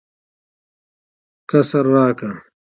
قصر راکړ.